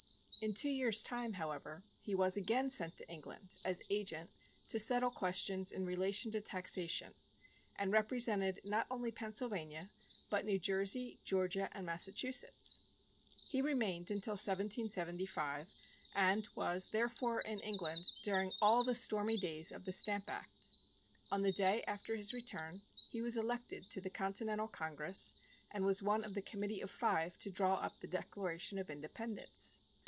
In two years' time, however, he was again sent to England as agent to settle questions in relation to taxation, and represented not only Pennsylvania, but New Jersey, Georgia, and Massachusetts. He remained until 1775, and was, therefore, in England during all the stormy days of the Stamp Act. On the day after his return he was elected to the Continental Congress, and was one of the committee of five to draw up the Declaration of Independence.